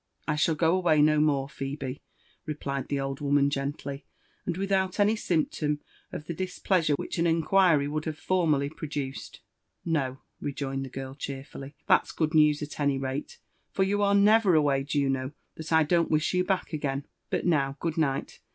«33 •* I shall go away no more, Phebe," replied the old woman, gently, and without any symptom of the displeasure which an inquiry would have formerly produced. •* No 1" rejoined the girl cheerfully ;that's good news at any rate, for you are neyer away, Juno, that I don't wish you back again. — But now, good night!